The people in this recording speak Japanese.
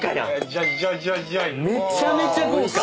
めちゃめちゃ豪華！